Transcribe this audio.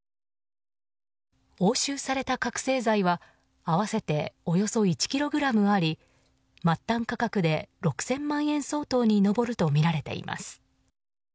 押収された覚醒剤は合わせておよそ１ｋｇあり末端価格で６０００万円相当に上るとみられています。